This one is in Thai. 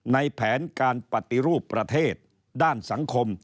แผนการปฏิรูปประเทศด้านสังคม